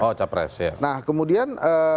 oh capres nah kemudian